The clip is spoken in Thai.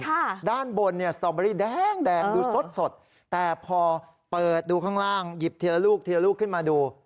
ด้านบนเนี่ยสตอเบอรี่แดงแดงดูสดสดแต่พอเปิดดูข้างล่างหยิบทีละลูกทีละลูกขึ้นมาดู